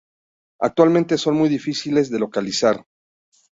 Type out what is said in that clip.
Actualmente son muy difíciles de localizar.